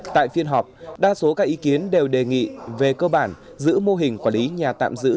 tại phiên họp đa số các ý kiến đều đề nghị về cơ bản giữ mô hình quản lý nhà tạm giữ